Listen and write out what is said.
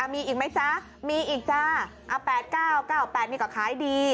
มีอีกไหมจ๊ะมีอีกจ้า๘๙๙๘นี่ก็ขายดี